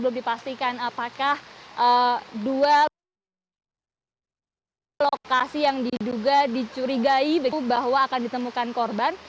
belum dipastikan apakah dua lokasi yang diduga dicurigai bahwa akan ditemukan korban